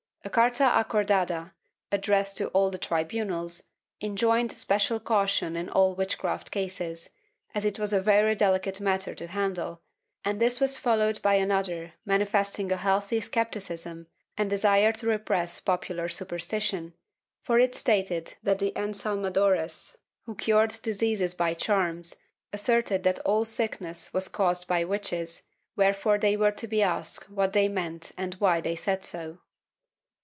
A carta acordada, addressed to all the tribunals, enjoined special caution in all witchcraft cases, as it was a very delicate matter to handle, and this was followed by another manifesting a healthy scepticism and desire to repress popular superstition, for it stated that the ensalmadores, who cured diseases by charms, asserted that all sickness was caused by witches, wherefore they were to be asked what they meant and why they said so.